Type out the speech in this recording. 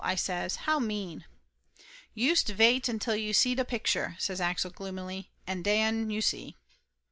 I says. "How mean!" "Youst vait until you see da picture," says Axel gloomily. "And dan you see!"